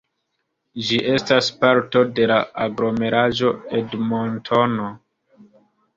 Ĝi estas parto de la Aglomeraĵo Edmontono.